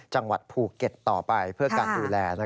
จังหวัดภูเก็ตต่อไปเพื่อการดูแล